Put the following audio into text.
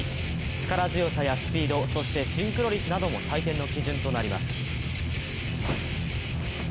力強さはスピード、そしてシンクロ率なども採点の基準となります。